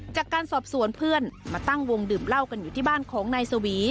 จากการสอบสวนเพื่อนมาตั้งวงดื่มเหล้ากันอยู่ที่บ้านของนายสวี